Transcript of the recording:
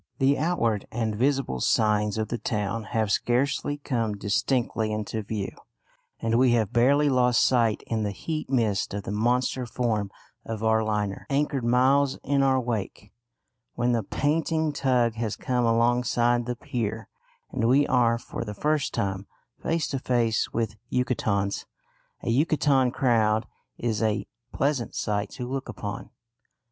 The outward and visible signs of the town have scarcely come distinctly into view, and we have barely lost sight in the heat mist of the monster form of our liner, anchored miles in our wake, when the panting tug has come alongside the pier and we are for the first time face to face with Yucatecans. A Yucatecan crowd is a pleasant sight to look upon.